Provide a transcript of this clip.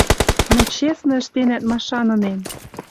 Мӹнь честно ӹштенӓт машанынем